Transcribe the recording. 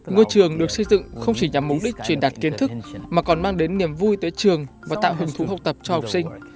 ngôi trường được xây dựng không chỉ nhằm mục đích truyền đạt kiến thức mà còn mang đến niềm vui tới trường và tạo hứng thú học tập cho học sinh